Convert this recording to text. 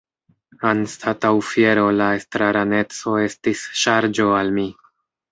Anstataŭ fiero, la estraraneco estis ŝarĝo al mi.